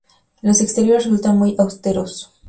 Los exteriores resultan muy austeros.